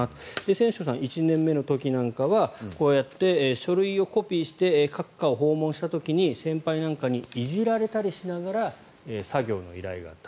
千正さん１年目の時なんかはこうやって書類をコピーして各課を訪問した時に先輩なんかにいじられたりしながら作業の依頼があった。